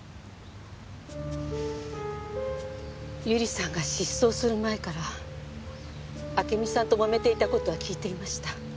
百合さんが失踪する前から暁美さんともめていた事は聞いていました。